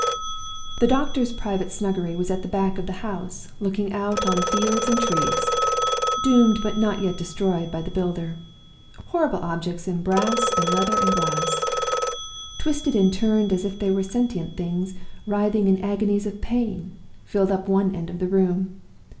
"The doctor's private snuggery was at the back of the house, looking out on fields and trees, doomed but not yet destroyed by the builder. Horrible objects in brass and leather and glass, twisted and turned as if they were sentient things writhing in agonies of pain, filled up one end of the room.